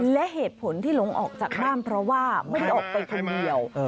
และเหตุผลที่หลงออกจากบ้านเพราะว่าไม่ได้ออกไปคนเดียว